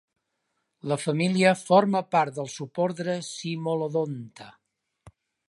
La família forma part del subordre Cimolodonta.